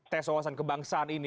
tes wawasan kebangsaan ini